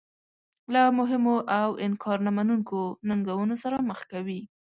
له مهمو او انکار نه منونکو ننګونو سره مخ کوي.